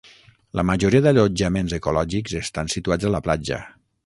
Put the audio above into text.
La majoria d'allotjaments ecològics estan situats a la platja.